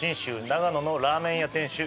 長野のラーメン屋店主